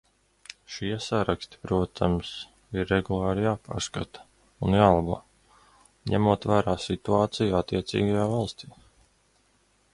Šie saraksti, protams, ir regulāri jāpārskata un jālabo, ņemot vērā situāciju attiecīgajā valstī.